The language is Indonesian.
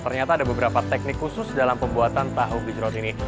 ternyata ada beberapa teknik khusus dalam pembuatan tahu gejrot ini